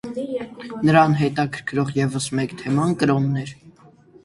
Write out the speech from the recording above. Նրան հետաքրքրող ևս մեկ թեման կրոնն էր։